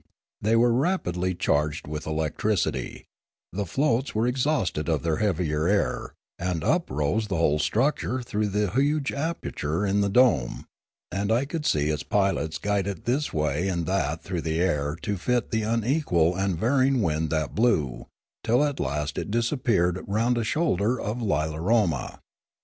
They were rapidly charged with electricity, the floats were exhausted of their heavier air, and up rose the whole structure through the huge aperture in the dome; and I could see its Oolorefa 165 pilots guide it this way and that through the air to fit the unequal and varying wind that blew, till at last it disappeared round a shoulder of Lilaroma.